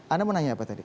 anda mau nanya apa tadi